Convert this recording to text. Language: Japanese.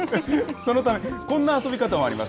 そのため、こんな遊び方もあります。